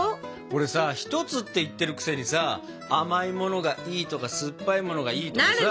これさ「ひとつ」って言ってるくせにさ甘いのものがいいとか酸っぱいものがいいとかさ。